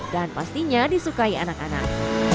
dan pastinya disukai anak anak